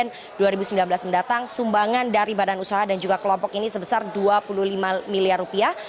pada tahun dua ribu sembilan belas mendatang sumbangan dari badan usaha dan juga kelompok ini sebesar dua puluh lima miliar rupiah